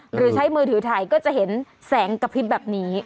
หรือใช้มือถือถ่ายก็จะเห็นแสงกระพริบแบบนี้